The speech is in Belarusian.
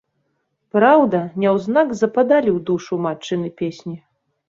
Праўда, няўзнак западалі ў душу матчыны песні.